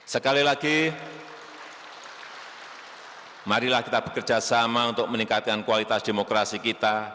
sekali lagi marilah kita bekerja sama untuk meningkatkan kualitas demokrasi kita